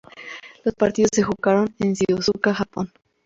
Los partidos se jugaron en Shizuoka, Japón.